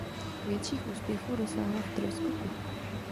Větších úspěchů dosáhla v trojskoku.